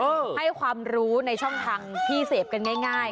ให้ความรู้ในช่องทางที่เสพกันง่าย